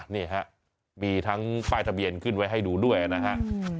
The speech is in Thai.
นี่ฮะมีทั้งป้ายทะเบียนขึ้นไว้ให้ดูด้วยนะฮะ